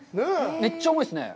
めっちゃ重いですね。